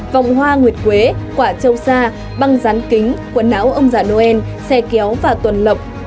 vòng hoa nguyệt quế quả trâu sa băng rán kính quần áo ông già noel xe kéo và tuần lộng